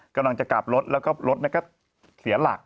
กำลังจะกลับรถแล้วก็รถก็เสียหลัก